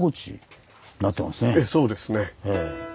ええそうですね。